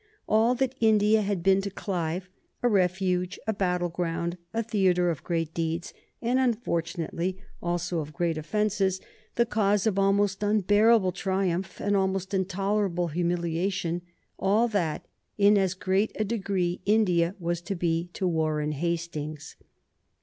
All that India had been to Clive a refuge, a battleground, a theatre of great deeds, and unfortunately also of great offences, the cause of almost unbearable triumph and almost intolerable humiliation, all that in as great a degree India was to be to Warren Hastings.